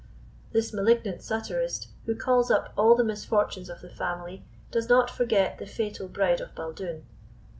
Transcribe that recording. This malignant satirist, who calls up all the misfortunes of the family, does not forget the fatal bridal of Baldoon.